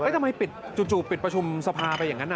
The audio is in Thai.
ทำไมปิดจู่ปิดประชุมสภาไปอย่างนั้น